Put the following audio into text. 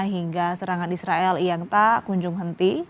hingga serangan israel yang tak kunjungi